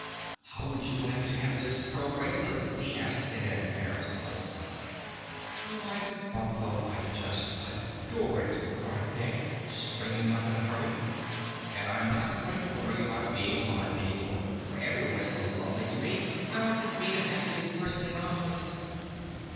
"How would you like to have this pearl bracelet?" he asked in an embarrassed voice. "Why, Kabumpo, I'd just adore it!" cried Peg, springing up in a hurry. "And I'm not going to worry about being alive any more, for everyone is so lovely to me I ought to be the happiest person in Oz."